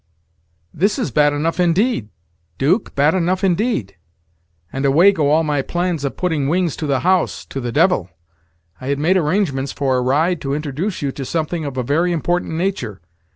"This is bad enough, indeed! 'Duke, bad enough, indeed! and away go all my plans, of putting wings to the house, to the devil. I had made arrangements for a ride to introduce you to something of a very important nature.